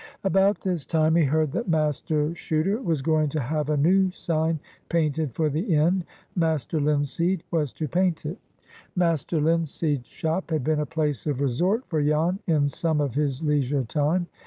About this time he heard that Master Chuter was going to have a new sign painted for the inn. Master Linseed was to paint it. Master Linseed's shop had been a place of resort for Jan in some of his leisure time.